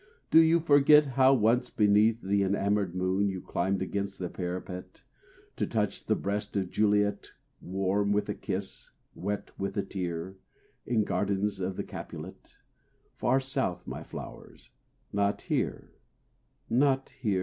Do you forget How once, beneath the enamored moon, You climbed against the parapet, To touch the breast of Juliet Warm with a kiss, wet with a tear, In gardens of the Capulet, Far south, my flowers, not here not here?